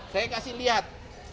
saya kasih lihat